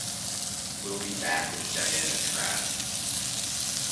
We'll be back with Diana Trask.